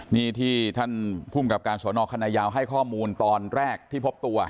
นี่ที่ท่านภูมิกับการสอนอคณะยาวให้ข้อมูลตอนแรกที่พบตัว